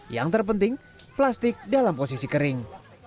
yang terpenting plastik dalam posisi kering